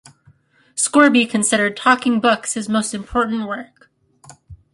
Scourby considered Talking Books his most important work.